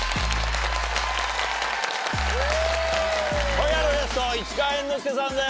今夜のゲスト市川猿之助さんです！